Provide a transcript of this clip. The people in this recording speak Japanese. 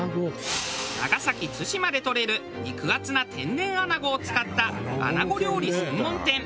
長崎対馬でとれる肉厚な天然穴子を使った穴子料理専門店。